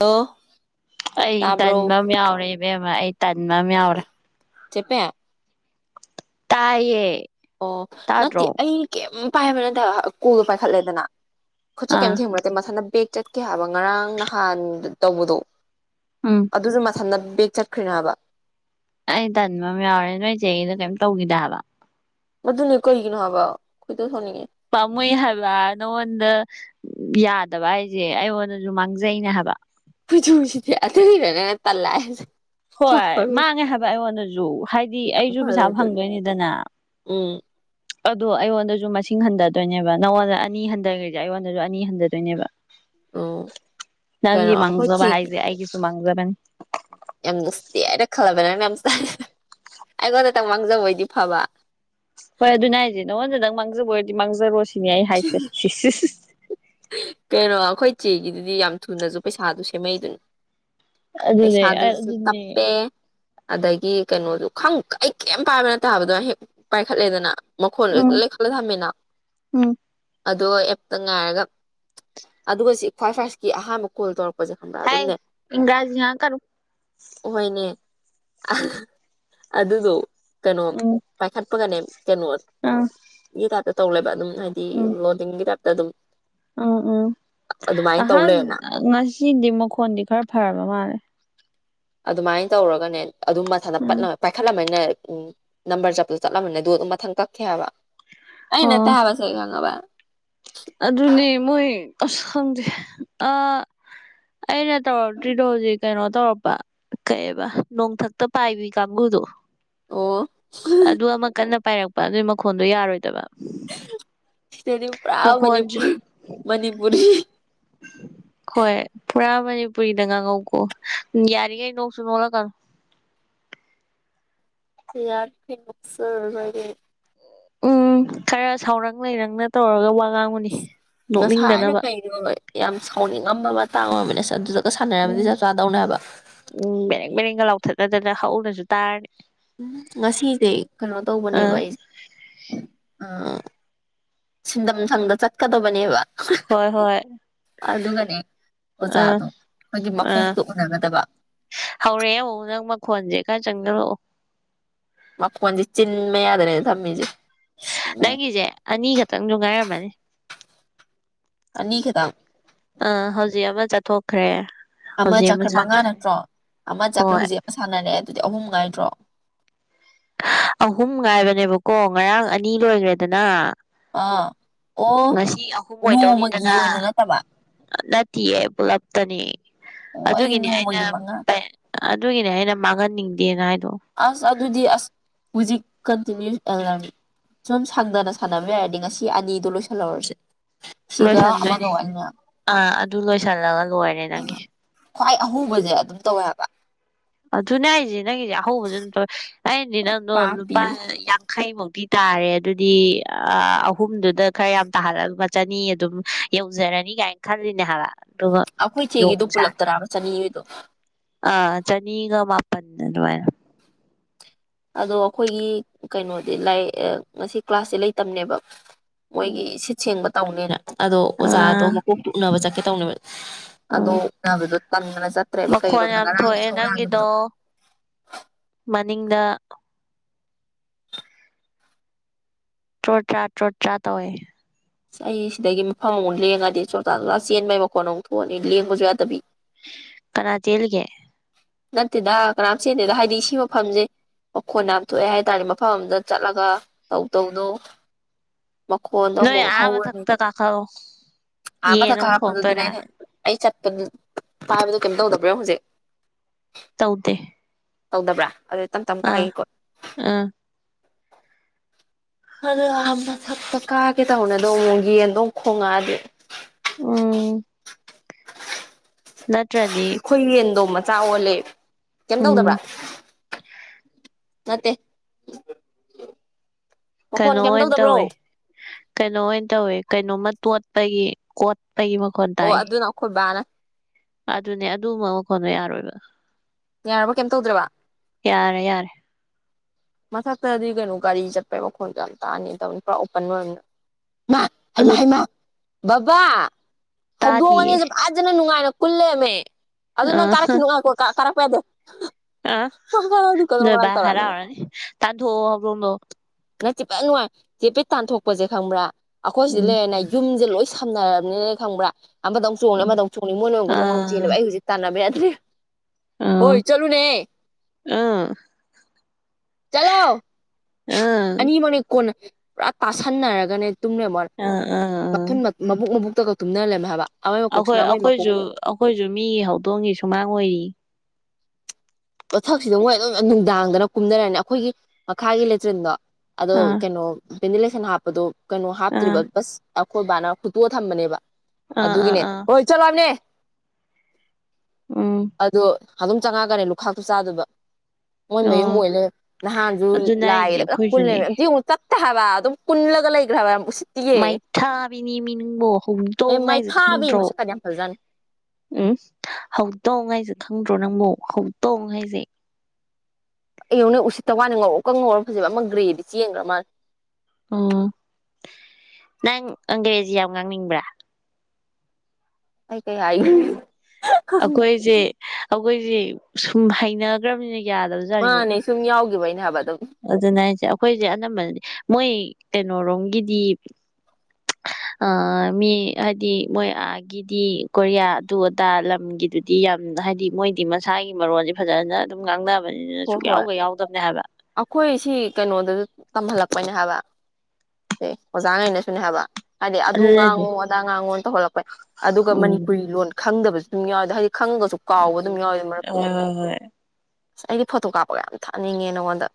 hello ꯑꯩ ꯇꯥꯕ꯭ꯔꯣ ꯇꯟꯕ ꯑꯃ ꯌꯥꯎꯔꯦꯕꯦꯝꯃ ꯑꯩ ꯇꯥꯟꯃꯃꯤꯎꯔ ꯆꯄ ꯇꯌꯦ ꯑꯣ ꯅꯠꯇꯦ ꯑꯩ ꯀꯦ ꯄꯥꯏ ꯃꯅ ꯊ ꯀꯨꯗꯨꯣ ꯄꯥꯏꯈꯠꯂꯦꯗꯅ ꯈꯨꯠꯁ ꯑꯥ ꯀꯩꯝꯇ ꯊꯦꯡꯉꯨꯔꯠꯇꯦ ꯃꯁꯥꯅ ꯄꯦꯛ ꯆꯠꯀꯦ ꯍꯥꯏꯕ ꯉꯔꯥꯡ ꯅꯍꯥꯟ ꯇꯧꯕꯗꯣ ꯎꯝ ꯑꯗꯨꯁꯨ ꯁꯥꯟꯅꯕ ꯆꯠꯈ꯭ꯔꯤꯕ ꯑꯩ ꯇꯟꯕ ꯑꯃ ꯌꯥꯎꯔꯦ ꯅꯣꯏꯁꯦ ꯑꯩꯗ ꯀꯔꯤꯝ ꯇꯧꯈꯤꯗ ꯍꯥꯏꯕ ꯃꯗꯨꯅꯦ ꯀꯩꯒꯤꯅꯣ ꯍꯥꯏꯕ ꯁꯥꯎꯅꯤꯡꯉꯦ ꯄꯃꯨꯣꯏ ꯍꯜꯋꯥ ꯅꯣ ꯑꯣꯟ ꯌꯥꯗꯕ ꯍꯥꯏꯁꯦ ꯑꯩꯉꯣꯟꯗꯁꯨ ꯃꯥꯡꯖꯩꯅꯦ ꯍꯥꯏꯕ ꯍꯧꯁꯤ ꯑꯗꯨꯅꯦꯅ ꯇꯜꯂꯁꯦ ꯍꯣꯏ ꯃꯥꯡꯉꯦ ꯍꯥꯏꯕ ꯑꯩꯉꯣꯟꯗꯁꯨ ꯍꯥꯏꯗꯤ ꯌꯥꯝ ꯑꯩꯁꯨ ꯄꯩꯁꯥ ꯐꯔꯣꯏꯗꯣꯔꯤ ꯐꯪꯗꯣꯏꯅꯤꯗꯅ ꯎꯝ ꯑꯗꯣ ꯑꯩꯉꯣꯟꯗꯁꯨ ꯃꯁꯤꯡ ꯍꯟꯊꯗꯣꯏꯅꯦꯕ ꯅꯪꯉꯣꯟꯗ ꯑꯅꯤ ꯍꯟꯊꯈ꯭ꯔꯤꯁꯦ ꯑꯩꯉꯣꯟꯗꯁꯨ ꯑꯅꯤ ꯍꯟꯊꯗꯣꯏꯅꯦꯕ ꯎꯝ ꯅꯪꯒꯤ ꯀꯩꯅꯣ ꯑꯩꯈꯣꯏ ꯃꯥꯡꯖꯕ ꯆꯦꯒꯤ ꯍꯥꯏꯁꯦ ꯑꯩꯒꯤꯁꯨ ꯃꯥꯡ ꯕꯅꯤ ꯌꯥꯝ ꯅꯨꯡꯁꯤꯇꯦ ꯍꯥꯏꯅ ꯈꯜꯂꯕ ꯅꯪꯅ ꯌꯥꯝ ꯆ ꯑꯩꯉꯣꯟꯗꯇꯪ ꯃꯥꯡꯖꯕꯣꯏꯗꯤ ꯐꯕ ꯍꯣꯏ ꯑꯗꯨ ꯅ ꯍꯥꯏꯁꯦ ꯅꯉꯣꯟꯗꯪ ꯃꯥꯡꯖꯕꯗꯤ ꯃꯥꯡꯖꯔꯣ ꯁꯤꯅꯤ ꯍꯥꯏꯦ ꯀꯩꯅꯣ ꯑꯩꯈꯣꯏ ꯏ ꯆꯦꯒꯤꯗꯨꯗꯤ ꯌꯥꯝ ꯊꯨꯅꯁꯨ ꯄꯩꯁꯥꯗꯨ ꯁꯦꯝꯃꯛꯩꯗꯨꯅꯤ ꯑꯗꯨꯅꯦ ꯄꯩꯁꯥꯗꯁꯨ ꯑꯗꯨꯅꯦ ꯇꯞꯄꯦ ꯑꯗꯒꯤ ꯀꯩꯅꯣꯗꯨ ꯈꯪ ꯀꯩ ꯀꯔꯤꯝ ꯄꯥꯏꯕꯅ ꯇꯥꯕꯗꯣ ꯍꯦꯛ ꯄꯥꯏꯈꯠꯂꯦꯗꯅ ꯃꯈꯣꯟ ꯎꯝ ꯂꯩ ꯈꯠꯂ ꯊꯝꯃꯤꯅ ꯎꯝ ꯑꯗꯣ ꯑꯦꯞꯇ ꯉꯥꯏꯔꯒ ꯑꯗꯨꯒ ꯁꯤ ꯈ꯭ꯋꯥꯏ ꯐꯥꯏꯁꯀꯤ ꯑꯍꯥꯟꯕ ꯀꯣꯜ ꯇꯧꯔꯛꯄ ꯄꯁꯦ ꯈꯪꯕ꯭ꯔ ꯍꯥꯏ ꯑꯗꯨꯝꯅꯦ ꯏꯪꯒ꯭ꯔꯥꯖꯤ ꯉꯥꯡꯉꯛꯀꯅꯨ ꯑꯍꯣꯏꯅꯦ ꯑꯗ ꯇꯣ ꯀꯩꯅꯣ ꯎꯝ ꯄꯥꯏꯈꯠꯄꯒꯅꯦ ꯀꯩꯅꯣ ꯑꯥ ꯇ ꯇꯧꯂꯦꯕ ꯑꯗꯨꯝ ꯍꯥꯏꯗꯤ ꯎꯝ ꯂꯣꯗꯤꯡ ꯀꯇꯥ ꯇ ꯑꯗꯨꯝ ꯎꯝ ꯎꯝ ꯑꯗꯨꯃꯥꯏꯅ ꯇꯧ ꯑꯍ ꯂꯩꯔꯦꯅ ꯁꯤꯗꯤ ꯃꯈꯣꯟꯗꯤ ꯈꯔ ꯐꯔꯕ ꯃꯥꯜꯂꯦ ꯑꯗꯨꯃꯥꯏꯅ ꯇꯧꯔꯒꯅꯦ ꯑꯗꯨꯝ ꯃꯁꯥꯗ ꯎꯝ ꯄꯥꯏꯈꯠꯂꯝꯃꯅꯦ ꯎꯝ ꯅꯝꯕꯔ ꯆꯠꯄꯗꯣ ꯆꯠꯂꯝꯕꯅꯦ ꯑ ꯑꯗꯨ ꯑꯗꯨꯝ ꯃꯊꯪ ꯀꯛꯈꯤꯦ ꯍꯥꯏꯕ ꯑꯩꯅꯠꯇ ꯑꯣ ꯍꯥꯏꯕꯁꯉꯕ ꯑꯗꯨꯅꯦ ꯃꯣꯏ ꯑꯁ ꯈꯪꯗꯦ ꯑ ꯑꯩꯅ ꯇꯧꯔꯛꯇ꯭ꯔꯤꯗꯣ ꯍꯧꯖꯤꯛ ꯀꯩꯅꯣ ꯇꯧꯔꯛꯄ ꯀꯛꯑꯕ ꯅꯣꯡꯊꯛꯇ ꯄꯥꯏꯕꯤ ꯀꯥꯡꯕꯨꯨꯗꯨꯣ ꯑꯣ ꯑꯗꯨ ꯑꯗꯨ ꯑꯃ ꯑꯃ ꯀꯟꯅ ꯄꯥꯏꯔꯛꯄ ꯑꯗꯨꯏ ꯃꯈꯣꯟꯗꯣ ꯌꯥꯔꯣꯏꯗꯕ ꯁꯤꯗꯗ ꯄꯨꯔꯥ ꯃꯈꯣꯟꯁꯨ ꯃꯅꯤꯄꯨꯔ ꯃꯅꯤꯄꯨꯔꯤ ꯍꯣꯏ ꯄꯨꯔꯥ ꯃꯅꯤꯄꯨꯔꯤꯗ ꯉꯥꯡꯉꯧꯀꯣ ꯌꯥꯔꯤꯉꯩ ꯅꯣꯡꯁꯨ ꯅꯣꯂꯛꯀꯅꯨ ꯌꯥ ꯌꯥꯔ ꯐꯁꯦ ꯎꯝ ꯈꯔ ꯁꯥꯎꯔꯪ ꯂꯩꯔꯪꯅ ꯇꯧꯔꯒ ꯋꯥ ꯑꯥꯡꯕꯨꯅꯤ ꯉꯁꯥꯏꯅ ꯅꯣꯛꯅꯤꯡꯗꯅꯕ ꯀꯩꯅꯣ ꯌꯥꯝ ꯁꯥꯎꯅꯤꯡꯉꯝꯕ ꯃꯇꯥꯡ ꯑꯣꯏꯕꯅꯦ ꯁꯦ ꯑꯗꯨꯗ ꯀ ꯁꯥꯟꯅꯔꯔꯕꯗꯤ ꯆꯞ ꯆꯥꯗꯧꯅꯦꯕ ꯃꯔꯤꯦꯡꯒ ꯂꯥꯎꯊꯠꯅꯗꯅ ꯍꯧꯎꯅꯁꯨ ꯇꯥꯔꯅꯤ ꯎꯝ ꯉꯁꯤꯁꯦ ꯀꯩꯅꯣ ꯇꯧꯕꯅꯦꯕ ꯑꯥ ꯑꯩꯁꯦ ꯑ ꯁꯤꯟꯗꯝ ꯁꯪꯗ ꯆꯠꯀꯗꯕ ꯕ ꯍꯣꯏ ꯍꯣꯏ ꯑꯗꯨꯒꯅꯦ ꯑꯥ ꯑꯣꯖꯥꯗꯣ ꯑꯩꯈꯣꯏꯒꯤ ꯑꯥ ꯃꯀꯣꯛꯇꯣ ꯎꯅꯒꯗꯕ ꯀ ꯆꯪꯒ ꯂꯑꯣ ꯃꯖꯤ ꯆꯤꯟꯃ ꯌꯥꯗ꯭ꯔꯦ ꯇꯃꯤꯖ ꯅꯪꯒꯤꯁꯦ ꯑꯅꯤꯈꯛꯇꯪ ꯅꯨꯡ ꯉꯥꯏꯔꯝꯃꯅꯤ ꯅꯤꯒꯗꯥ ꯑꯥ ꯍꯧꯖꯤꯛ ꯑꯃ ꯆꯠꯊꯣꯛꯈ꯭ꯔꯦ ꯑꯃ ꯍꯧꯖꯤꯛ ꯆꯥꯈ꯭ꯔ ꯃꯉꯥ ꯁꯥꯟꯅꯔꯦ ꯅꯠꯇ꯭ꯔꯣ ꯑꯃ ꯆꯥꯈ꯭ꯔ ꯍꯣꯏ ꯍꯧꯖꯤꯛ ꯑꯃ ꯁꯥꯟꯅꯔꯦ ꯑꯗꯨꯗꯤ ꯑꯍꯨꯝ ꯉꯥꯏꯗ꯭ꯔꯣ ꯑꯍꯨꯝ ꯉꯥꯏꯕꯅꯦꯕꯀꯣ ꯉꯔꯥꯡ ꯑꯅꯤ ꯂꯣꯏꯈ꯭ꯔꯦꯗꯅ ꯑꯥ ꯑꯣ ꯉꯁꯤ ꯑꯍꯨꯝ ꯅꯣꯡꯃꯒꯤ ꯑꯣꯏꯗꯧꯅꯤꯗꯅ ꯑꯣꯏꯅ ꯅꯠꯇꯕ ꯅꯠꯇꯦꯌꯦ ꯄꯨꯂꯞꯇꯅꯤ ꯑꯣ ꯑꯩꯗꯤ ꯑꯗꯨꯒꯤꯅꯤ ꯑꯩꯅ ꯅꯣꯡꯃꯒꯤ ꯃꯉꯥ ꯑꯗꯨꯒꯤꯅꯦ ꯑꯩꯅ ꯃꯥꯡꯍꯟ ꯅꯤꯗꯦ ꯅꯥꯏꯣ ꯑꯁ ꯑꯗꯨꯗꯤ ꯑꯁ ꯍꯧꯖꯤꯛ ꯀꯟꯇꯤꯅ꯭ꯌꯨ ꯑꯦꯂꯥꯔꯝ ꯁꯨꯝ ꯁꯟꯗꯅ ꯁꯥꯟꯅꯕ ꯌꯥꯔꯗꯤ ꯉꯁꯤ ꯑꯅꯤꯗꯣ ꯂꯣꯏꯁꯤꯜꯍꯧꯔꯁꯦ ꯂꯣꯏꯁꯟꯗꯣꯏꯅꯦ ꯑꯥ ꯑꯗꯨ ꯂꯣꯏꯁꯜꯂꯒ ꯂꯣꯏꯔꯦ ꯅꯪꯒꯤ ꯈ꯭ꯋꯥꯏ ꯑꯍꯨꯕꯁꯦ ꯑꯗꯨꯝ ꯇꯧꯋꯦꯕ ꯑꯗꯨ ꯑꯗꯨꯅ ꯍꯥꯏꯖꯦ ꯅꯪꯒꯤꯁꯦ ꯑꯍꯧꯕꯁꯨ ꯑꯗꯨꯝ ꯇꯧꯋꯦ ꯑꯩꯅꯗꯤ ꯅꯪꯗꯣ ꯄꯥꯞꯄꯤ ꯂꯨꯄꯥ ꯌꯥꯡꯈꯩꯃꯨꯛꯇ ꯤ ꯇꯥꯔꯦ ꯑꯗꯨꯗꯤ ꯑꯍꯨꯝꯗꯨꯗ ꯈꯔ ꯌꯥꯝ ꯇꯥꯍꯜꯂ ꯆꯅꯤ ꯑꯗꯨꯝ ꯌꯧꯖꯔꯅꯤ ꯀꯥꯏꯅ ꯈꯜꯂꯤꯅꯦ ꯍꯥꯟꯂꯛ ꯑꯩꯈꯣꯏ ꯆꯦꯒꯤꯗꯨꯣ ꯄꯨꯜꯂꯞ ꯇꯔꯥꯕ ꯆꯅꯤꯉꯣꯏꯗꯣ ꯑꯥ ꯆꯅꯤꯒ ꯃꯥꯄꯟ ꯑꯗꯨꯃꯥꯏꯅ ꯑꯗꯣ ꯑꯩꯈꯣꯏꯒꯤ ꯀꯩꯅꯣꯗꯤ ꯂꯥꯏ ꯉꯁꯤ ꯀ꯭ꯂꯥꯁꯁꯦ ꯂꯩꯇꯕꯅꯦꯕ ꯃꯣꯏꯒꯤ ꯁꯤ ꯁꯦꯡꯕ ꯇꯧꯅꯦ ꯑꯗꯣ ꯑꯣꯖꯥꯗꯣ ꯑꯥ ꯃꯀꯣꯛꯇꯣ ꯎꯅꯕ ꯆꯠꯀꯦ ꯇꯧꯅꯦꯕ ꯑꯗꯣ ꯎꯝ ꯎꯅꯕꯗꯣ ꯇꯝꯗꯅ ꯆꯠꯇ꯭ꯔꯦꯕ ꯃꯈꯣꯟ ꯀꯩꯒꯤꯅꯣꯕꯗ ꯌꯥꯝ ꯉꯔꯥꯡꯒꯤ ꯊꯣꯛꯑꯦ ꯅꯪꯒꯤꯗꯣ ꯊꯧꯔꯥꯡꯕꯗꯣ ꯅꯤꯡꯗ ꯇ꯭ꯔꯣꯠ ꯇꯔꯥ ꯇ꯭ꯔꯣꯠ ꯆꯔꯥ ꯇꯧꯋꯦ ꯁ ꯑꯩ ꯁꯤꯗꯒꯤ ꯃꯐꯝ ꯑꯃꯨꯛ ꯂꯦꯡꯉꯗꯤ ꯆꯣꯔꯇꯥꯛ ꯂꯥ ꯆꯦꯟꯕꯒꯤ ꯃꯈꯣꯟ ꯑꯃꯨꯛ ꯊꯣꯛꯑꯅꯤ ꯂꯦꯡꯕꯁꯨ ꯌꯥꯗꯕꯤ ꯀꯅꯥꯇ ꯌꯦꯜꯒꯦ ꯅꯠꯇꯦꯗ ꯀꯅꯥꯝ ꯆꯦꯟꯗꯦꯗ ꯍꯥꯏꯗꯤ ꯁꯤ ꯃꯐꯝꯁꯦ ꯃꯈꯣꯟ ꯌꯥꯝ ꯊꯣꯛꯑꯦ ꯍꯥꯏ ꯇꯥꯔꯦ ꯃꯐꯝ ꯑꯗ ꯆꯠꯂꯒ ꯇꯧ ꯇꯧꯗꯧ ꯅꯣꯏ ꯑꯕꯊꯛ ꯇ ꯀꯥꯀꯥ ꯑꯃ ꯊ ꯀ ꯍꯥꯞꯄꯗꯗꯨ ꯅꯅꯦ ꯑꯩ ꯆꯠꯄ ꯄꯥꯕꯗꯣ ꯀꯩꯝꯇ ꯇꯧꯗꯕꯔꯣ ꯍꯧꯖꯤꯛ ꯇꯧꯗꯦ ꯇꯧꯗꯕ꯭ꯔꯥ ꯑꯗꯨ ꯇꯞ ꯑ ꯑ ꯑꯗꯣ ꯑ ꯃꯊꯛꯇ ꯀꯥꯒꯦ ꯇꯧꯅꯦ ꯑꯗꯣ ꯑꯃꯨꯛ ꯌꯦꯟꯗꯣ ꯈꯣꯡꯉꯛꯑꯗꯤ ꯑꯣ ꯈꯣꯏ ꯌꯦꯗꯣ ꯃ ꯆꯋꯂꯦ ꯀꯣ ꯇꯧꯗꯕ꯭ꯔꯥ ꯎꯝ ꯅꯠꯇꯦ ꯋꯥꯣꯟ ꯀꯩꯅꯣ ꯀꯩꯝ ꯑꯣꯏꯅ ꯇꯧꯗꯕ꯭ꯔꯣ ꯇꯧꯋꯦ ꯀꯩꯅꯣ ꯑꯣꯏꯅ ꯇꯧꯋꯦ ꯀꯩꯅꯣꯝꯃ ꯇꯣꯠꯄꯒꯤ ꯀꯣꯠ ꯑꯣ ꯑꯗꯨꯅ ꯑꯩꯈꯣꯏ ꯕꯥꯅ ꯑꯗꯨꯅꯦ ꯑꯗꯨ ꯑꯃ ꯃꯈꯈꯣꯟꯅꯣ ꯌꯥꯔꯣꯏꯕ ꯌꯥꯔꯕ ꯀꯩꯝ ꯇꯧꯗ꯭ꯔꯕ ꯌꯥꯔꯦ ꯌꯥꯔꯦ ꯃꯊꯛꯇꯗꯤ ꯀꯩꯅꯣ ꯒꯥꯔꯤ ꯆꯠꯄꯩ ꯃꯈꯣꯟꯗ ꯌꯥꯝ ꯇꯥꯅꯤ ꯇꯧꯅꯤ ꯄꯨꯔꯥ ꯑꯣꯄꯟ ꯑꯣꯏꯔꯕꯝꯅ ꯃꯥ ꯍꯥꯏꯃ ꯑꯗꯨ ꯍꯥꯏꯃ ꯕꯥ ꯍꯧꯗꯣꯛꯑꯉꯅꯤ ꯇꯥꯗꯤꯌꯦ ꯑꯥꯖꯅ ꯅꯨꯡꯉꯥꯏꯅ ꯀꯜꯂꯃꯦ ꯑꯗꯨ ꯅꯪ ꯑꯥ ꯀꯥꯔꯛꯈꯤꯅꯨꯡꯉꯥꯏꯀꯣ ꯀꯥꯔꯛꯄ ꯌꯥꯗ ꯑꯥ ꯅ ꯇꯧꯔꯛꯅꯤ ꯇꯥꯗꯣꯣꯗꯣ ꯅ ꯆꯦꯄꯠ ꯅꯨꯡꯉꯥꯏ ꯆꯦꯄꯤꯠ ꯇꯥꯟꯊꯣꯛꯄꯁꯦ ꯈꯪꯕ꯭ꯔꯥ ꯑꯩꯈꯣꯏ ꯁꯤꯗ ꯎꯝ ꯂꯩꯔꯦꯅꯦ ꯌꯨꯝ ꯁꯤꯦ ꯂꯣꯏ ꯁꯝꯅꯔꯕꯅꯤꯅ ꯈꯪꯕ꯭ꯔꯥ ꯑꯃꯗꯧ ꯆꯣꯡꯅꯤ ꯑꯃꯗꯧ ꯆꯣꯡꯅꯤ ꯃꯣꯏꯅ ꯑꯃꯨꯗꯧ ꯑꯥ ꯆꯦꯜꯦꯕ ꯑꯩ ꯍꯧꯛꯥꯟꯅꯕꯅꯦ ꯇ꯭ꯔꯦ ꯑꯥ ꯍꯣꯏ ꯆꯂꯨꯅꯦ ꯑꯥ ꯆꯂꯣ ꯑꯥ ꯑꯥ ꯑꯅꯤ ꯃꯅꯤ ꯀꯣꯟ ꯄꯨꯔꯥ ꯇꯥꯥꯁꯥꯟꯅꯔꯒꯅꯤ ꯇꯨꯡꯂ ꯑꯥ ꯑꯥ ꯃꯊ ꯃꯕꯨꯛ ꯃꯕꯨ ꯇꯨꯀ ꯇꯨꯝꯅꯔꯝꯃꯦ ꯍꯥꯏꯕ ꯑꯃꯒꯤ ꯑꯩꯈꯣꯏ ꯃꯀꯣꯛꯁꯤꯅ ꯑꯃꯒꯤ ꯃꯀꯣꯛ ꯑꯩꯈꯣꯏꯁꯨ ꯑꯩꯈꯣꯏꯁꯨ ꯃꯤꯒꯤ ꯍꯧꯗꯣꯡꯒꯤ ꯁꯨꯃꯥꯡ ꯑꯣꯏꯔꯤ ꯃꯊꯛꯁꯤꯗ ꯃꯣꯏ ꯑꯗꯨꯝ ꯅꯨꯡꯗꯥꯡꯗꯅ ꯀꯨꯝꯅꯔꯅꯤ ꯑꯩꯈꯣꯏꯒꯤ ꯃꯈꯥꯒꯤ ꯂꯦꯇ꯭ꯔꯤꯟꯗꯣ ꯑꯗꯣ ꯑꯥ ꯀꯩꯅꯣ ꯄꯦꯟꯗꯤꯂꯦꯁꯟ ꯍꯥꯞꯄꯗꯣ ꯀꯩꯅꯣ ꯑꯥ ꯍꯥꯞꯇ꯭ꯔꯤꯕ ꯕꯁ ꯑꯩꯈꯣꯏ ꯕꯥꯅꯔ ꯐꯨꯠꯇꯣꯛꯑ ꯊꯝꯕꯅꯦꯕ ꯑꯥ ꯑꯥ ꯑꯗꯨꯒꯤꯅꯦ ꯑꯥ ꯍꯣꯏ ꯆꯠꯂꯕꯅꯦ ꯎꯝ ꯑꯗꯣ ꯑꯗꯨꯝ ꯆꯪꯉꯛꯒꯅꯦ ꯈꯥꯛꯇ ꯆꯥꯗꯕ ꯃꯣꯏ ꯃꯌꯨꯝ ꯑꯣ ꯑꯣꯏꯅꯦ ꯅꯍꯥꯟꯁꯨ ꯑꯗꯨꯅꯦ ꯍꯥꯏꯁꯦ ꯂꯥꯏꯗ ꯄꯨ ꯑꯩꯈꯣꯏꯁꯨꯅꯦ ꯄꯨꯜꯂꯦꯕ ꯑ ꯑꯃꯨꯛꯇ ꯍꯥꯕ ꯑꯗꯨꯝ ꯀꯟꯂꯒ ꯂꯩꯒ꯭ꯔꯕ ꯃꯥꯏꯊꯥꯕꯤꯅꯤ ꯃꯤ ꯅꯕꯣ ꯑꯦ ꯍꯧꯗꯣꯡ ꯉꯥꯏꯖ ꯃꯩꯈꯥꯕꯤ ꯈꯪꯗ꯭ꯔꯣ ꯃꯁꯛꯀꯗꯤ ꯌꯥꯝ ꯐꯖꯥꯠꯅꯤ ꯎꯝ ꯍꯧꯗꯣꯡ ꯉꯥꯏꯖ ꯈꯪꯗ꯭ꯔꯣ ꯅꯪꯕꯣ ꯍꯧ ꯇꯣꯡ ꯍꯥꯏꯁꯦ ꯑꯩꯌꯧꯅꯛ ꯎꯁꯤꯠꯇ ꯋꯥꯅ ꯉꯧꯔꯛ ꯀꯪ ꯉꯧꯔ ꯐꯖꯕ ꯑꯃ ꯒ꯭ꯔꯦꯗꯤ ꯆꯦꯟꯈ꯭ꯔ ꯃꯥꯜꯦ ꯎꯝ ꯅꯪ ꯑꯪꯒ꯭ꯔꯦꯖꯤ ꯌꯥꯝ ꯉꯥꯡꯅꯤꯡꯕ꯭ꯔꯥ ꯀꯥꯏ ꯀꯩ ꯍꯥꯏ ꯑꯩꯈꯣꯏꯁꯦ ꯑꯩꯈꯣꯏꯁꯦ ꯁ ꯍꯩꯅꯈ꯭ꯔꯕꯅꯤ ꯑ ꯅ ꯁꯨꯝꯃꯤ ꯌꯥꯎꯒꯦ ꯍꯥꯏꯕ ꯑꯗꯨꯝ ꯑꯗꯨꯅ ꯍꯥꯏꯁꯦ ꯑꯩꯈꯣꯏꯁꯦ ꯑꯅꯝꯕꯅꯗꯤ ꯃꯣꯏ ꯀꯩꯅꯣꯣꯔꯣꯝꯒꯤꯗꯤ ꯑ ꯃꯤ ꯍꯥꯏꯗꯤ ꯃꯣꯏ ꯑꯥꯒꯤꯗꯤ ꯀꯣꯔꯤꯌꯥ ꯑꯗꯨ ꯑꯗꯥ ꯂꯝꯒꯤꯗꯨꯗꯤ ꯌꯥꯝ ꯍꯥꯏꯗꯤ ꯃꯣꯏꯗꯤ ꯃꯁꯥꯒꯤ ꯃꯔꯣꯟꯜꯁꯦ ꯐꯖꯅ ꯑꯗꯨꯝ ꯉꯥꯡꯅꯕ ꯍꯣꯏ ꯍꯣꯏ ꯑꯩꯈꯣꯏ ꯁꯤ ꯀꯩꯅꯣꯗꯁꯨ ꯇꯝꯍꯜꯂꯛꯄ ꯅꯦ ꯍꯥꯏꯕ ꯑꯦ ꯑꯣꯖꯥꯉꯩꯅ ꯁꯅꯦ ꯍꯥꯏꯕ ꯍꯥꯏꯗꯤ ꯑꯗꯨ ꯑꯗꯨꯅꯅꯦ ꯉꯥꯡꯉꯣ ꯑꯗꯥ ꯉꯥꯡꯉꯣꯅ ꯇꯧꯍꯜꯂꯛꯄꯩ ꯑꯗꯨꯒ ꯎꯝ ꯃꯅꯤꯄꯨꯔꯤ ꯂꯣꯟ ꯈꯪꯗꯕꯁꯨ ꯑꯙ ꯈꯪꯉꯒꯁꯨ ꯀꯥꯎꯕ ꯑꯗꯨꯝ ꯍꯣꯏ ꯌꯥꯎꯋꯤ ꯃꯔꯛꯇꯨꯗ ꯍꯣꯏ ꯍꯣꯏ ꯑꯁ ꯑꯩꯗꯤ ꯐꯣꯇꯣ ꯀꯥꯞꯄꯒ ꯌꯥꯝ ꯊꯥꯅꯤꯡꯉꯦ ꯅꯉꯣꯟꯗ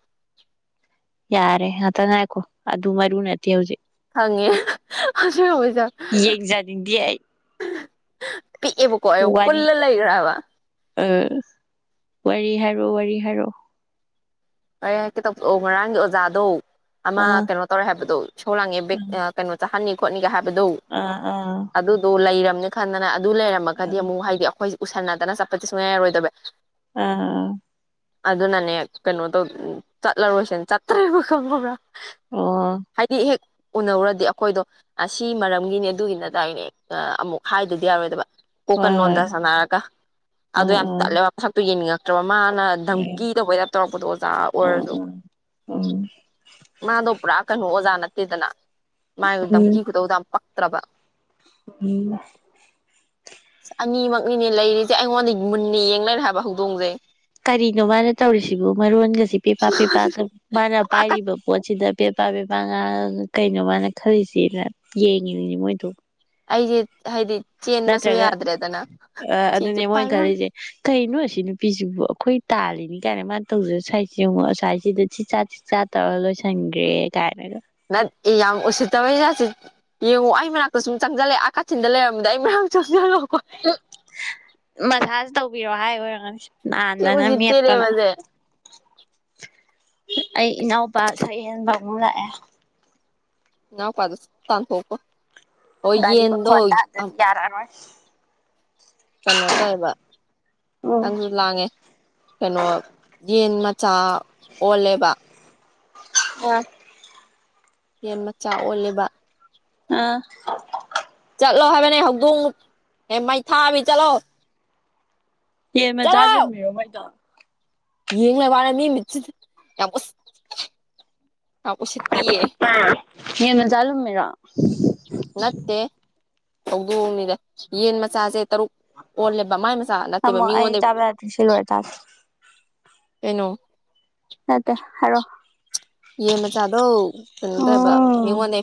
ꯌꯥꯔꯦ ꯑ ꯇ ꯉ ꯍꯥꯏꯀꯣ ꯑꯗꯨ ꯃꯔꯤꯅꯦ ꯍꯪꯉꯦ ꯑꯕꯁꯦ ꯌꯦꯡꯖꯅꯤꯡꯗꯦ ꯑꯩ ꯄꯤꯛꯑꯦꯕꯀꯣ ꯑꯩꯌꯨ ꯋꯥꯔꯤ ꯄꯨꯜꯂ ꯂꯩꯈ꯭ꯔꯕ ꯑ ꯋꯥꯔꯤ ꯍꯔꯣ ꯋꯥꯔꯤ ꯍꯔꯣ ꯑꯩ ꯍꯥꯏꯦꯛ ꯦꯇꯪ ꯉꯔꯥꯡꯒꯤ ꯑꯣꯖꯥꯗꯣ ꯑꯃ ꯑꯥ ꯀꯩꯅꯣ ꯇꯧꯔꯦ ꯍꯥꯏꯕꯗꯣ ꯁꯧꯂꯥꯡꯉꯦ ꯕꯦꯛ ꯀꯩꯅꯣ ꯆꯥꯍꯟꯅꯤ ꯅꯤꯒ ꯍꯥꯏꯕ ꯑꯥ ꯑꯥ ꯑꯗꯨꯗꯣ ꯂꯩꯔ ꯈꯥꯟꯅ ꯑꯗꯨ ꯑꯥ ꯂꯩꯔꯝꯃꯒꯗꯤ ꯑꯃꯨꯛ ꯍꯥꯏꯗꯤ ꯑꯩꯈꯣꯏ ꯎꯁꯟꯅꯗꯅ ꯆꯠꯄꯗꯤ ꯁꯨꯡꯉꯥꯏꯔꯔꯣꯏꯗꯕ ꯑꯥ ꯑꯗꯨ ꯅꯅꯦ ꯀꯩꯅ ꯆꯠꯂꯔꯣꯏꯁꯅ ꯆꯠꯇ꯭ꯔꯦꯕ ꯈꯪꯉꯕ꯭ꯔꯥ ꯑꯣ ꯍꯥꯏꯗꯤ ꯍꯦꯛ ꯎꯅꯧꯔꯗꯤ ꯑꯩꯈꯣꯏꯗꯣ ꯁꯤ ꯃꯔꯝꯒꯤꯅꯦ ꯑꯗꯨꯒꯤꯅꯗꯥꯏꯅꯦ ꯑꯃꯨꯛ ꯍꯥꯏꯗꯨꯗꯤ ꯌꯥꯔꯣꯏꯗꯕ ꯀꯣꯀꯟ ꯍꯣꯏ ꯂꯣꯟꯗ ꯍꯣꯏ ꯁꯥꯟꯅꯔꯒ ꯑꯗꯨꯣ ꯑꯥ ꯌꯥꯝ ꯑꯥ ꯇꯠꯂꯦꯕ ꯃꯊꯛꯇꯣ ꯌꯦꯡꯅꯤꯡꯉꯛꯇ꯭ꯔꯕ ꯃꯥꯅ ꯗꯙꯝꯀꯤ ꯇꯧꯕꯗ ꯇꯧꯔꯛꯄꯗꯣ ꯑ ꯑꯣꯏꯔꯁꯨ ꯑ ꯎꯝ ꯃꯥꯗꯣ ꯄꯨ꯭ꯔꯥ ꯀꯩꯅꯣ ꯑꯣꯖꯥ ꯅꯠꯇꯦꯗꯅ ꯃꯥꯥꯏ ꯎꯔꯗꯝ ꯀ ꯎꯝ ꯀꯗ ꯎ ꯄ ꯇꯕ ꯎꯝ ꯑ ꯑꯅꯤꯃꯛꯅꯤꯅꯦ ꯂꯩꯔꯤꯁꯦ ꯑꯩꯉꯣꯟꯗ ꯃꯨꯟꯅ ꯌꯦꯡꯅꯔꯦ ꯍꯥꯏꯕ ꯍꯧꯗꯣꯡꯁꯩ ꯀꯔꯤꯅꯣ ꯃꯥꯅ ꯇꯧꯔꯤꯁꯤꯕꯨ ꯃꯔꯣꯟꯒꯁꯤ ꯄꯦꯄꯥꯛ ꯄꯦꯄꯥꯀ ꯃꯥꯅ ꯄꯥꯏꯔꯤꯕ ꯄꯣꯠ ꯁꯤꯗ ꯄꯕꯦꯕꯥ ꯄꯕꯦꯕꯥ ꯉꯥ ꯀꯩꯅꯣꯃꯥꯏꯅ ꯈꯜꯂꯤꯁꯤꯅ ꯌꯦꯡꯉꯤꯕꯅꯦ ꯃꯣꯏꯗꯣ ꯑꯩꯁꯦ ꯍꯥꯏꯗꯤ ꯆꯦꯟꯕꯁꯨ ꯅꯠꯇ꯭ꯔꯒ ꯌꯥꯗ꯭ꯔꯦꯗꯅ ꯑ ꯁꯤꯁꯦ ꯑꯗꯨꯅꯦ ꯃꯣꯏꯅ ꯄꯥꯏꯔ ꯈꯜꯂꯤꯁꯦ ꯀꯩꯅꯣ ꯁꯤ ꯅꯨꯄꯤꯁꯤꯕꯨ ꯑꯩꯈꯣꯏ ꯇꯥꯜꯂꯤꯅꯤ ꯀꯥꯏꯅ ꯃꯥꯅ ꯇꯧꯖꯔ ꯁ꯭ꯥꯏꯏꯁꯦ ꯌꯦ ꯑꯃꯉꯛ ꯁꯁꯥꯏꯏꯁꯤꯗ ꯆꯤꯠ ꯆꯥ ꯆꯤꯠ ꯆꯥ ꯇꯧꯔ ꯂꯣꯏꯁꯤꯟꯈ꯭ꯔꯦ ꯀꯥꯏꯅꯒ ꯅ ꯑꯦ ꯌꯥꯝ ꯎꯁꯤꯠꯇꯕ ꯍꯖꯥꯛꯠꯁꯤꯦ ꯌꯦꯡꯉꯣ ꯑꯩ ꯃꯅꯥꯛꯇ ꯁꯨꯝ ꯆꯪꯁꯤꯜꯂꯛꯦ ꯀꯥꯊꯤꯟꯗ ꯂꯩꯔꯝꯝꯕꯗ ꯑꯩ ꯃꯅꯥꯛꯇ ꯆꯪꯁꯤꯜꯂꯣ ꯎ ꯃꯁꯥꯖ ꯇꯧꯕꯤꯔꯣ ꯍꯥꯏ ꯑꯣꯏꯔꯅꯤꯁꯤ ꯁꯤꯕꯨ ꯤꯇꯔꯦ ꯃꯁꯦ ꯑꯩ ꯏꯅꯥꯎꯄꯥ ꯁꯌꯦꯦꯟꯕ ꯑꯃꯛ ꯂꯥꯛꯑꯦ ꯅꯅꯥ ꯄꯗ ꯇꯥꯟ ꯇꯣꯄ ꯒꯥꯔꯤ ꯃꯈ ꯈꯗꯗꯗꯤ ꯌꯥꯔ ꯀꯩꯅꯣ ꯇꯧꯋꯦꯕ ꯎꯝ ꯈꯤꯇꯪꯁꯨ ꯂꯥꯡꯉꯦ ꯀꯩꯅꯣ ꯌꯦꯟ ꯆꯥ ꯑꯣꯂꯦꯕ ꯑ ꯌꯦꯟ ꯃꯆꯥ ꯑꯣꯜꯂꯦꯕ ꯎꯝ ꯆꯠꯂꯣ ꯍꯥꯏꯕꯅꯦ ꯍꯧꯗꯣꯡ ꯃꯩꯊꯥꯕꯤ ꯆꯠꯂꯣ ꯍ ꯃ ꯆꯥꯠ ꯂꯨꯝꯃꯤꯔꯣ ꯃꯣꯏꯗ ꯎ ꯌꯦꯡꯉ ꯋꯥꯔ ꯃꯤ ꯃꯤꯠ ꯌꯥꯝ ꯑꯁ ꯇꯌꯦ ꯌꯦꯅ ꯆꯂꯨ ꯃꯦꯔ ꯅꯠꯇꯦ ꯍꯧꯗꯣꯛꯑꯅꯤꯗ ꯌꯦꯟ ꯃꯆꯥꯁꯦ ꯇꯔꯨꯛ ꯑꯣꯜꯂꯦꯕ ꯃꯥꯏ ꯃꯆꯥ ꯅꯠꯇꯦꯕ ꯊꯝꯃꯣ ꯑꯩ ꯃꯤꯉꯣꯟꯗ ꯆꯥꯕ ꯌꯥꯗ꯭ꯔꯤ ꯁꯤ ꯂꯣꯏꯔ ꯆꯥꯒꯦ ꯀꯩꯅꯣ ꯌꯥꯦ ꯑꯣ ꯌꯦ ꯃ ꯆꯥꯗꯣ ꯎꯝ ꯇꯗ꯭ꯔꯕꯣꯟꯅꯦ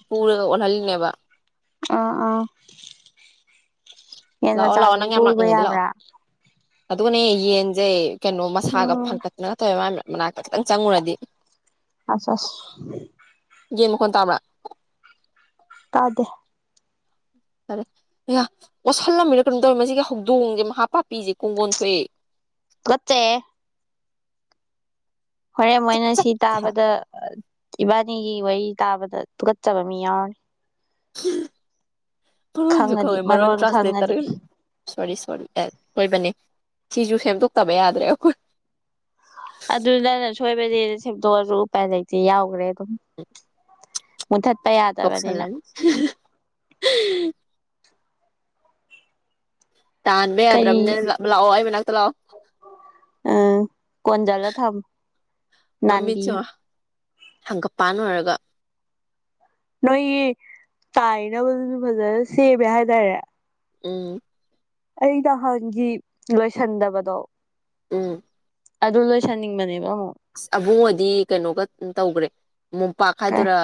ꯄ ꯕ ꯑꯥ ꯑꯥ ꯌꯦꯟ ꯂꯥꯛꯑꯣ ꯃꯆꯥꯁꯨ ꯄꯨꯕ ꯌꯥꯕ꯭ꯔꯥ ꯑꯗꯒꯅꯦ ꯌꯦꯟꯖꯦ ꯀꯩꯅꯣ ꯃꯁꯥꯒ ꯎꯝ ꯐꯪꯒꯠꯇꯅ ꯇꯧꯋꯦ ꯃ ꯃꯅꯥꯛꯇ ꯈꯤꯇꯪ ꯆꯪꯉꯨꯔꯗꯤ ꯑ ꯑ ꯌꯦꯟ ꯃꯈ ꯈꯣꯟ ꯇꯥꯕ꯭ꯔꯥ ꯇꯥꯗꯦ ꯔꯦ ꯑꯣꯠꯁꯜꯂꯝꯃꯤꯅ ꯀꯩꯅꯣ ꯇꯧꯔꯤ ꯃꯁꯤꯒꯤ ꯍꯧꯗꯣꯡꯁꯦ ꯃꯍꯥ ꯄꯥꯄꯤꯁꯦ ꯀꯣꯡꯒꯣꯟ ꯊꯣꯛꯑꯦ ꯀꯠꯇꯦ ꯍꯣꯔꯦꯟ ꯇꯤꯛ ꯃꯣꯏꯅ ꯁꯤ ꯆꯠ ꯇꯥꯕꯗ ꯏꯕꯥꯅꯤꯒꯤ ꯋꯥꯔꯤ ꯇꯥꯕꯗ ꯊꯨꯀꯠꯆꯕ ꯃꯤ ꯌꯥꯎ ꯍꯝ ꯈꯪꯉꯗꯤ ꯃꯔ ꯨꯈꯝ ꯃꯔ ꯃꯔꯣꯟ ꯈꯪꯉꯗꯤ ꯇ꯭ꯔꯥꯟꯁꯂꯦꯇꯔꯣꯔꯤꯣꯣꯏꯕꯅꯤ ꯁꯤꯁꯨ ꯁꯦꯝꯗꯣꯛꯇꯕ ꯌꯥꯗ꯭ꯔꯦ ꯑꯩꯈꯣꯏ ꯑꯗꯨꯗꯂ ꯁꯣꯏꯕ ꯁꯗꯣ ꯎꯨꯥꯏ ꯂꯩꯇꯦ ꯌꯥꯎꯈ꯭ꯔꯦꯗꯣ [unintelligible] ꯃꯨꯊꯠꯄ ꯌꯥꯗꯕꯅꯤꯅ ꯎꯝ [unintelligible] ꯇꯥꯟꯕ ꯌꯥꯗ꯭ꯔꯕꯅꯤꯅ ꯂꯥꯛꯑꯣ ꯑꯩ ꯃꯅꯥꯛ ꯏꯊꯂꯥ ꯑꯝ ꯀꯣꯟꯖꯂ ꯊꯕ ꯃꯃꯤꯠꯁꯦ ꯅꯥꯟꯕꯤꯌ ꯌꯦꯡꯉꯣ ꯍꯪꯒꯄꯥꯟ ꯑꯣꯏꯔꯒ ꯅꯣꯏꯒꯤ ꯇꯥꯏꯅꯕꯗꯨꯁꯨ ꯐꯖꯅ ꯁꯦꯝꯃꯦ ꯍꯥꯏꯇꯥꯔꯦ ꯎꯝ ꯑꯩ ꯅꯍꯥꯟꯒꯤ ꯂꯣꯏꯁꯟꯗꯕꯗꯣ ꯎꯝ ꯑꯗꯨ ꯂꯣꯏꯁꯟꯅꯤꯡꯕꯅꯦꯕ ꯑꯕꯨꯡꯉꯗꯤ ꯀꯩꯅꯣꯒ ꯇꯧꯈ꯭ꯔꯦ ꯃꯣꯝꯄꯥꯛ ꯀꯩ ꯍꯥꯏꯗꯨꯔ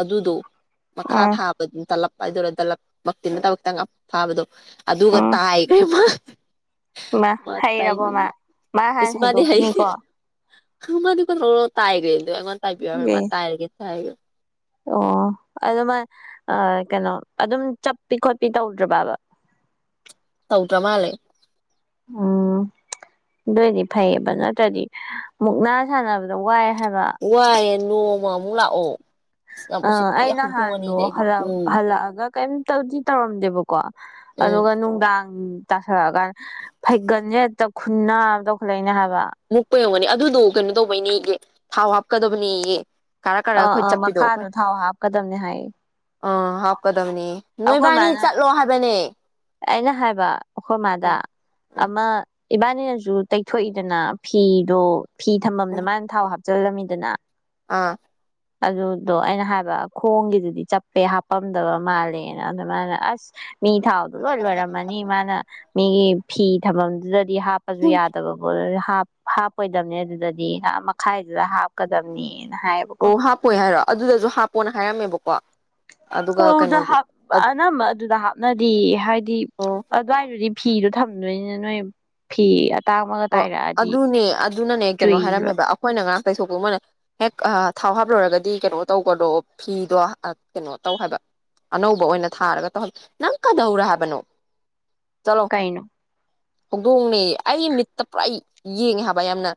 ꯑꯗꯨꯗꯣ ꯃꯈ ꯈꯥ ꯎꯝ ꯊ ꯍꯥꯕ ꯑꯗꯨꯅ ꯇꯂ ꯑꯗꯨꯗꯔꯣ ꯗꯂꯞꯃꯛꯇꯤ ꯅ ꯇꯕꯛꯇꯪ ꯐꯥꯕꯗꯣ ꯑꯗꯨꯒ ꯎꯝ ꯇꯥꯏꯒꯃ ꯃꯥ ꯍꯩꯔꯕꯣ ꯃꯥ ꯃꯥ ꯍꯥꯟ ꯍꯩꯗꯣꯛꯈꯤꯅꯤꯀꯣ ꯁꯅꯤ ꯇꯥꯏꯒ ꯑꯗꯨ ꯥꯏꯕꯤꯌꯔ ꯑꯦ ꯃ ꯇꯥꯏ ꯍꯥꯏꯔꯒꯦ ꯍꯥꯏꯌ ꯑꯣ ꯑꯗꯨꯃ ꯀꯩꯅꯣ ꯑꯗꯨꯝ ꯆꯞꯄꯤ ꯈꯣꯠꯄꯤ ꯇꯧꯗ꯭ꯔꯕꯕ ꯗ꯭ꯔ ꯃꯥꯂꯦ ꯎꯝ ꯑꯗꯨꯑꯣꯏꯗꯤ ꯐꯩꯑꯕ ꯅꯠꯇ꯭ꯔꯗꯤ ꯃꯨꯛꯅꯥ ꯁꯥꯟꯅꯕꯗ ꯋꯥꯏ ꯍꯥꯏꯕ ꯋꯥꯌꯦꯅ ꯅꯣꯡꯃ ꯑꯃꯨꯛ ꯂꯥꯛꯑꯣ ꯑꯁ ꯌꯥꯝ ꯑ ꯎꯁꯤꯠꯇꯤ ꯑꯩ ꯅꯍꯥꯟꯗꯣ ꯍꯧꯗꯣꯡꯑꯅꯤꯗꯤ ꯑꯩꯗꯤ ꯎꯝ ꯍꯜꯂꯛꯑꯒ ꯀꯩ ꯇꯖꯤ ꯇꯝꯗꯕ ꯀꯣ ꯎꯝ ꯑꯗꯨꯒ ꯅꯨꯡꯗꯥꯡ ꯇꯥꯊꯔꯛꯑꯀꯥꯟꯗ ꯐꯩꯒꯟꯁꯦ ꯍꯦꯛꯇ ꯈꯨꯟꯅ ꯑꯃ ꯇꯧꯈꯠꯂꯛꯏꯅꯦ ꯍꯥꯏꯕ ꯃꯨꯛꯄ ꯌꯧꯒꯅꯤ ꯑꯗꯨꯗꯣ ꯀꯩꯅꯣ ꯇꯧꯕꯩꯅꯦꯒꯤ ꯊꯥꯎ ꯍꯥꯞ ꯀꯗꯣꯕꯨꯅꯤꯌꯦ ꯑꯥ ꯑꯥ ꯃꯈꯥꯗꯣ ꯊꯥꯎ ꯍꯥꯞꯀꯗꯕꯅꯦ ꯍꯥꯏ ꯑ ꯍꯥꯞꯀꯗꯕꯅꯤ ꯑꯩꯈꯣꯏ ꯃꯥꯅ ꯑꯩꯅ ꯍꯥꯏꯕ ꯑꯩꯈꯣꯏ ꯃꯥꯗ ꯎꯝ ꯎꯝ ꯑꯃ ꯏꯕꯥꯅꯤꯅꯁꯨ ꯇꯩꯊꯣꯛꯏꯗꯅ ꯐꯤꯗꯣ ꯐꯤ ꯊꯝꯃꯝꯅ ꯎꯝ ꯃꯥꯅ ꯊꯥꯎ ꯍꯥꯞ ꯆꯂꯃꯤꯗꯅ ꯑꯥ ꯑꯗꯨꯗꯣ ꯑꯩꯅ ꯍꯥꯏꯕ ꯈꯣꯡꯒꯤꯗꯨꯗꯤ ꯆꯞꯄꯦ ꯍꯥꯄꯝꯗꯕ ꯃꯥꯜꯂꯦ ꯑ ꯃꯥ ꯑꯁ ꯃꯤ ꯊꯥꯎꯗꯨ ꯂꯣꯏ ꯂꯣꯏꯔꯝꯃꯅꯤ ꯃꯥꯅ ꯃꯤꯒꯤ ꯐꯤ ꯊꯝꯕ ꯗꯤ ꯍꯥꯞꯄꯁꯨ ꯌꯥꯗꯕꯕꯨꯣ ꯍꯥꯞ ꯍꯥꯞꯄꯣꯏꯗꯕꯅꯤ ꯑꯗꯨꯗꯗꯤ ꯉꯍ ꯃꯈꯥꯏꯗꯨꯗ ꯍꯥꯞꯀꯗꯝꯕꯅꯤ ꯑꯣ ꯍꯥꯞꯄꯣꯦ ꯍꯥꯏꯔꯣ ꯑꯗꯨꯗꯁꯨ ꯍꯥꯞꯄꯣꯅ ꯍꯥꯏꯔꯝꯃꯦꯕꯀꯣ ꯋꯥ ꯆꯧꯗ ꯑꯅꯝꯕ ꯑꯗꯨꯗ ꯍꯥꯞꯅꯗꯤ ꯍꯥꯏꯗꯤ ꯑꯣ ꯑꯗꯨꯋꯥꯏꯗꯨꯗꯤ ꯐꯤꯗꯣ ꯊꯝꯗꯣꯏꯅ ꯅꯣꯏ ꯐꯤ ꯑꯇꯥꯡꯕꯒ ꯑꯣ ꯇꯥꯏꯔꯛꯑꯗꯤ ꯑꯗꯨꯅꯦ ꯑꯗꯨꯅꯅꯦ ꯀꯩꯅꯣ ꯆꯨꯏꯕ ꯍꯥꯏꯔꯝꯃꯦꯕ ꯑꯩꯈꯣꯏꯅ ꯉꯔꯥꯡ ꯇꯩꯊꯣꯛꯄ ꯃꯣꯏꯅ ꯍꯦꯛ ꯊꯥꯎ ꯍꯥꯞꯂꯨꯔꯒꯗꯤ ꯀꯩꯅꯣ ꯇꯧꯕꯗꯣ ꯐꯤꯗꯣ ꯀꯩꯅꯣ ꯇꯧ ꯍꯥꯏꯕ ꯑꯅꯧꯕ ꯑꯣꯏꯅ ꯊꯥꯔꯒ ꯇꯧꯍꯕ ꯅꯪ ꯀꯗꯧꯔ ꯍꯥꯏꯕꯅꯣ ꯀꯥꯏꯅꯣ ꯍꯧꯗꯣꯡꯅꯤ ꯑꯩ ꯇ ꯄꯨꯔꯥ ꯌꯦꯡꯉꯦ ꯍꯥꯏꯕ ꯌꯥꯝꯅ